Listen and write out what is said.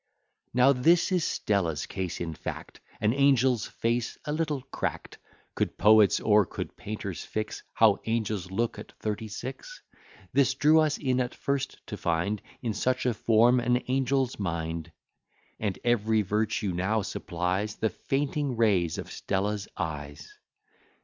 Now this is Stella's case in fact, An angel's face a little crack'd. (Could poets or could painters fix How angels look at thirty six:) This drew us in at first to find In such a form an angel's mind; And every virtue now supplies The fainting rays of Stella's eyes.